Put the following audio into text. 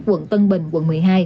quận tân bình quận một mươi hai